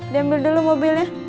dia ambil dulu mobilnya